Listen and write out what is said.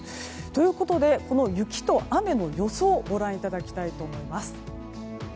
ということでこの雪と雨の予想をご覧いただきたいと思います。